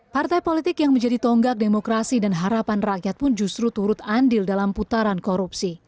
partai politik yang menjadi tonggak demokrasi dan harapan rakyat pun justru turut andil dalam putaran korupsi